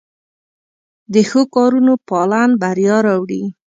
د ښو کارونو پالن بریا راوړي.